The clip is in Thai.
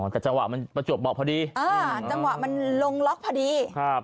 แต่จังหวะมันประจวบเบาะพอดีอ่าจังหวะมันลงล็อกพอดีครับ